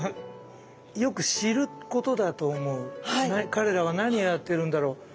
彼らは何をやってるんだろう？